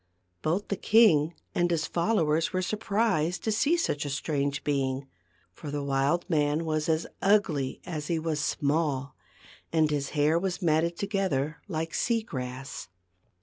Both the king and his followers were surprised to see such a strange being ; for the wild man was as ugly as he was small, and his hair was matted together like sea grass.